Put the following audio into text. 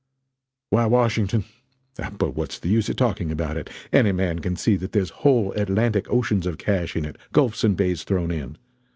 Why Washington but what's the use of talking about it any man can see that there's whole Atlantic oceans of cash in it, gulfs and bays thrown in.